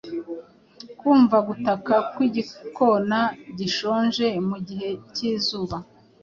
Kumva gutaka kw igikona gishonje mugihe cyizuba